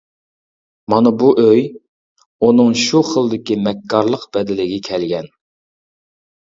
مانا بۇ ئۆي ئۇنىڭ شۇ خىلدىكى مەككارلىق بەدىلىگە كەلگەن.